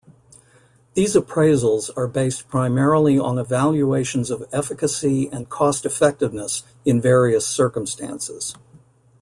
These appraisals are based primarily on evaluations of efficacy and cost-effectiveness in various circumstances.